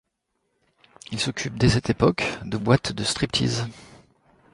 Il s'occupe dès cette époque de boîtes de strip-tease.